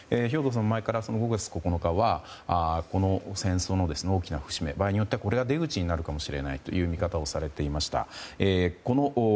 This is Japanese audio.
兵頭さんは前から５月９日はこの戦争の大きな節目場合によってはこれが出口になるかもしれないという見方をされていました。